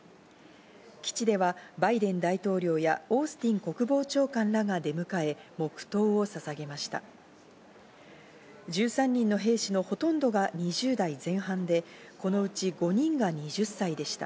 基地ではバイデン大統領やオースティン国防長官らが出迎え、黙祷をささげました。